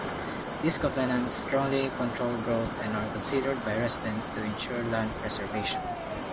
These covenants strongly control growth and are considered by residents to ensure land preservation.